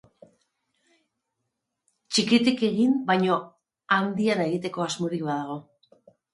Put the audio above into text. Txikitik ekin baina handian eragiteko asmorik badago.